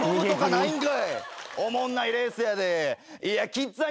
おもんないレースやで。